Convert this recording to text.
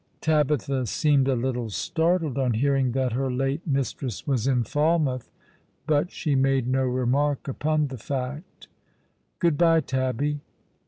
Tabitha seemed a little startled on hearing that her late mistress was in Falmouth, but she made no remark upon the fact. " Good bye, Tabby.